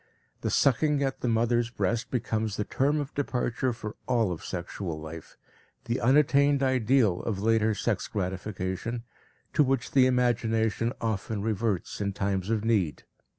The sucking at the mother's breast becomes the term of departure for all of sexual life, the unattained ideal of later sex gratification, to which the imagination often reverts in times of need.